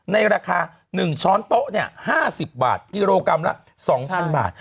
ในราคา๑ช้อนโต๊ะ๕๐บาทกิโลกรัมละ๒๐๐บาท